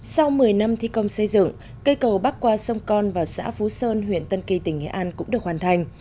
sau một mươi năm thi công xây dựng cây cầu bắc qua sông con và xã phú sơn huyện tân kỳ tỉnh nghệ an cũng được hoàn thành